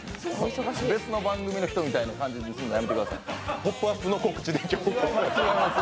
別の番組の人みたいにするのやめてください。